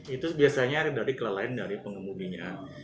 itu biasanya dari kelainan dari pengemudinya